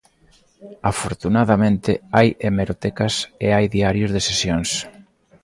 Afortunadamente, hai hemerotecas e hai diarios de sesións.